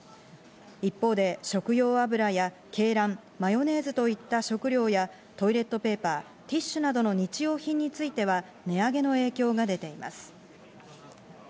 一方で食用油や鶏卵、マヨネーズといった食料や、トイレットペーパー、ティッシュなどの日用品については、値上げの影響が出ています。